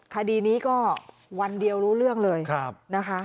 คดีนี้ก็วันเดียวรู้เรื่องเลยนะคะ